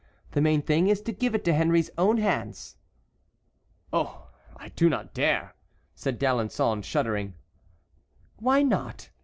The main thing is to give it into Henry's own hands." "Oh! I do not dare!" said D'Alençon, shuddering. "Why not?"